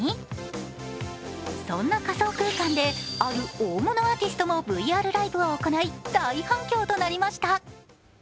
そんな仮想空間である大物アーティストもＶＲライブを行い大反響となりました。